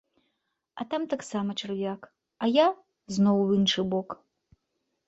А там таксама чарвяк, а я зноў у іншы бок.